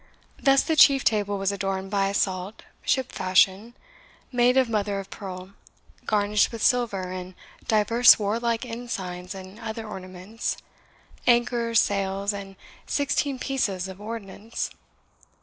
Thus the chief table was adorned by a salt, ship fashion, made of mother of pearl, garnished with silver and divers warlike ensigns and other ornaments, anchors, sails, and sixteen pieces of ordnance.